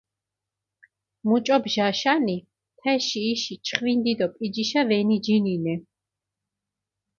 მუჭო ბჟაშანი, თეში იში ჩხვინდი დო პიჯიშა ვენიჯინინე.